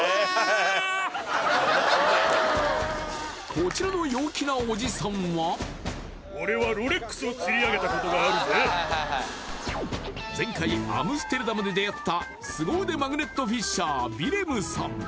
こちらの陽気なおじさんは前回アムステルダムで出会ったすご腕マグネットフィッシャーヴィレムさん